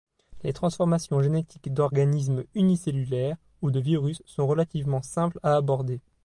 Les transformations génétiques d'organismes unicellulaires ou de virus sont relativement simples à aborder.